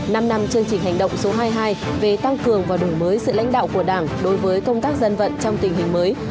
năm năm chương trình hành động số hai mươi hai về tăng cường và đổi mới sự lãnh đạo của đảng đối với công tác dân vận trong tình hình mới